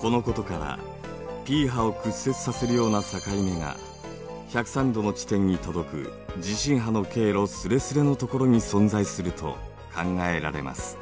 このことからＰ波を屈折させるような境目が１０３°の地点に届く地震波の経路すれすれのところに存在すると考えられます。